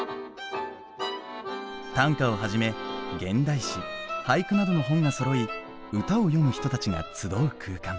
短歌をはじめ現代詩俳句などの本がそろい歌を詠む人たちが集う空間。